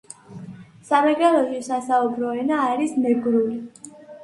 სამეგრელოში სასაუბრო ენა არის მეგრული.